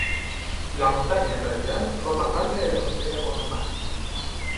La montaña, en realidad, forma parte de la frontera con Omán.